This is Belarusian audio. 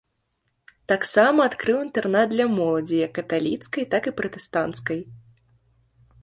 Таксама адкрыў інтэрнат для моладзі, як каталіцкай, так і пратэстанцкай.